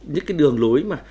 những cái đường lối mà